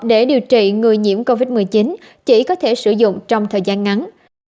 để điều trị người nhiễm covid một mươi chín chỉ có thể sử dụng trong thời gian ngắn